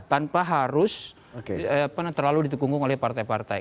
tanpa harus terlalu ditekunggung oleh partai partai